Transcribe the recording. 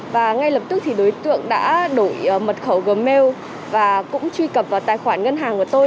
và ngay lập tức thì đối tượng đã đổi mật khẩu gmail và cũng truy cập vào tài khoản ngân hàng của tôi